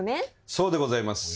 そうでございます。